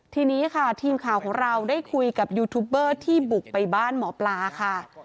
ทีนี้ค่ะทีมข่าวของเราได้คุยกับยูทูบเบอร์ที่บุกไปบ้านหมอปลาค่ะ